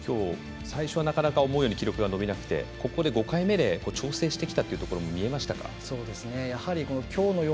きょうは最初はなかなか思うように記録が伸びなくて５回目で調整してきたというところも見えましたか？